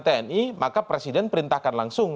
tni maka presiden perintahkan langsung